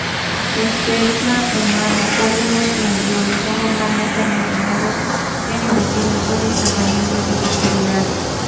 Esperma humano, óvulos y embriones son normalmente almacenados en investigación y tratamientos de fertilidad.